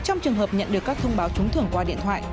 trong trường hợp nhận được các thông báo trúng thưởng qua điện thoại